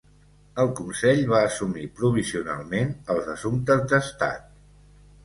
El Consell va assumir provisionalment els assumptes d'Estat.